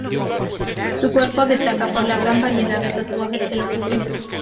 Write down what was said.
Su cuerpo destaca por la gran variedad de tatuajes que lo cubren.